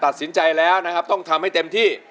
ตัดสินใจแล้วนะครับต้องทำให้เต็มที่